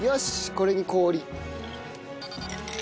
これに氷。